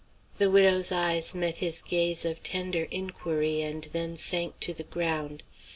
The widow's eyes met his gaze of tender inquiry and then sank to the ground.